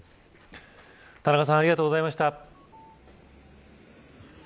田中さんありがとうございました。